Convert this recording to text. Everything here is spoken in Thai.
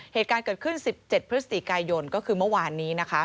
เหตุการณ์เกิดขึ้น๑๗พฤศจิกายนก็คือเมื่อวานนี้นะคะ